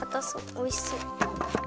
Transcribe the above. おいしそう。